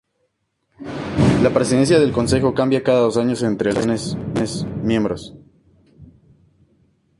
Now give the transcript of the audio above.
La presidencia del Consejo cambia cada dos años entre las ocho naciones miembros.